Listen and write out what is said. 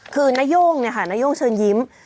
คือนาย่งเนี่ยค่ะนาย่งเชิญยิ้ม